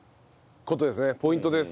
ポイントです。